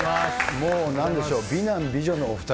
もう、なんでしょう、美男美女のお２人。